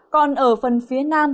còn ở phần phía nam